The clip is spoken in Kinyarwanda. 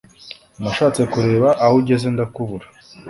Nashatse kureba aho ugeze ndakubura